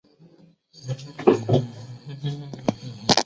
壳口为特殊的类六边形。